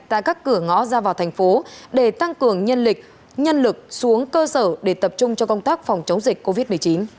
tại các cửa ngõ ra vào thành phố để tăng cường nhân lực nhân lực xuống cơ sở để tập trung cho công tác phòng chống dịch covid một mươi chín